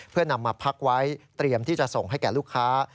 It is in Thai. เพื่อนำมาพักไว้เตรียมที่จะส่งให้แก่ลูกค้า